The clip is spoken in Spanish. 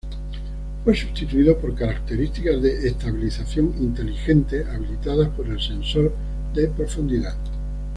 Fue sustituido por características de "estabilización inteligente" habilitadas por el sensor de profundidad.